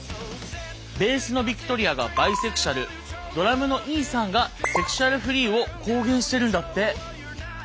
ベースのヴィクトリアがバイセクシュアルドラムのイーサンがセクシュアルフリーを公言してるんだって。